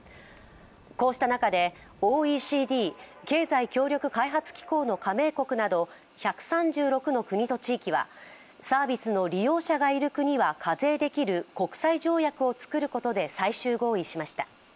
こうした中でＯＥＣＤ＝経済協力開発機構の加盟国など１３６の国と地域はサービスの利用者がいる国は課税できる国際条約を作ることで最終合意しました。